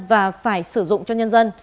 và phải sử dụng cho nhân dân